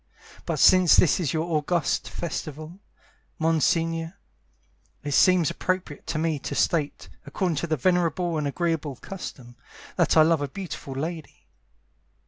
But since this is your august festival, Monsignore, It seems appropriate to me to state According to a venerable and agreeable custom, That I love a beautiful lady.